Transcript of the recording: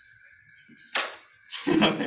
すいません。